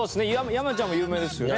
山ちゃんも有名ですよね。